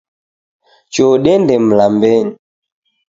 Choo dende mlambenyi .